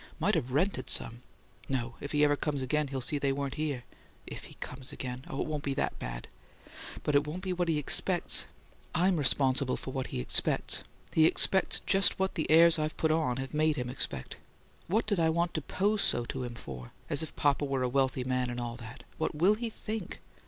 Might have rented some. No; if he ever comes again he'd see they weren't here. 'If he ever comes again' oh, it won't be THAT bad! But it won't be what he expects. I'm responsible for what he expects: he expects just what the airs I've put on have made him expect. What did I want to pose so to him for as if papa were a wealthy man and all that? What WILL he think?